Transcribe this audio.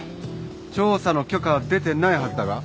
調査の許可は出てないはずだが？